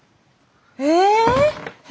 え！